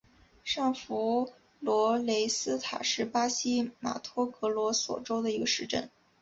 上弗洛雷斯塔是巴西马托格罗索州的一个市镇。